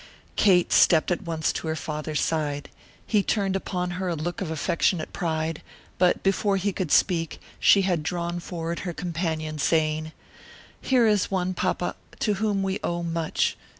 Kate stepped at once to her father's side; he turned upon her a look of affectionate pride, but before he could speak, she had drawn forward her companion, saying, "Here is one, papa, to whom we owe much.